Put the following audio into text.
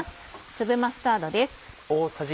粒マスタードです。